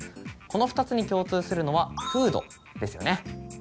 この２つに共通するのは「フード」ですよね。